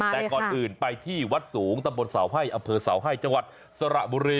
แต่ก่อนอื่นไปที่วัดสูงตำบลเสาให้อำเภอเสาให้จังหวัดสระบุรี